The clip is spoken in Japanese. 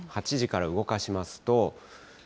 ８時から動かしますと。